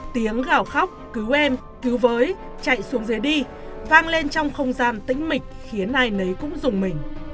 tiếng gào khóc cứu em cứu với chạy xuống dưới đi vang lên trong không gian tĩnh mịch khiến ai nấy cũng rùng mình